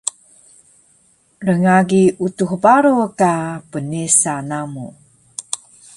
rngagi Utux Baro ka pnesa namu